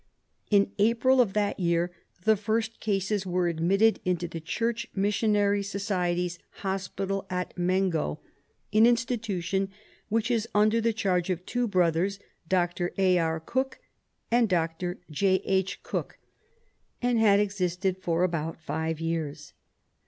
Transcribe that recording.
In April of that year the first cases were admitted into the Church Missionary Society's Hospital at Mengo, an institution which is under the charge of two brothers, Dr. A. E. Cook and Dr. J. H. Cook, and had existed for about five years.